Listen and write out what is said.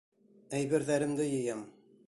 Әйберҙәремде йыям.